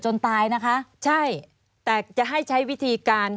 ใช่แต่จะให้ใช้วิธีการ